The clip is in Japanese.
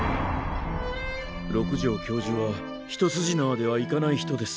六条教授は一筋縄ではいかない人です。